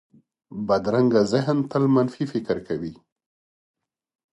بدرنګه ذهن تل منفي فکر کوي